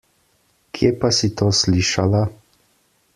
Kje pa si to slišala?